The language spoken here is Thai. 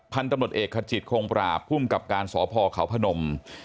พันธุ์ตำรวจเอกขจิตคงปราบภูมิกับการสพเขาพนม